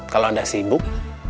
kalau anda sibuk